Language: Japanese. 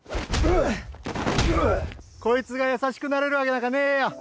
コイツが優しくなれるわけなんかねえよ！